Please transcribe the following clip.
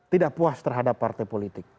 tidak puas terhadap partai politik